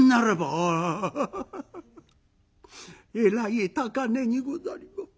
「ああえらい高値にござりま」。